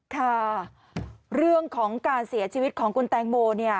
ค่ะเรื่องของการเสียชีวิตของคุณแตงโมเนี่ย